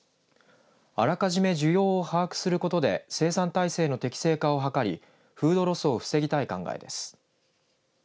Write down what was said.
あらかじめ需要を把握することで生産体制の適正化を図りフードロスを防ぎたい考えです。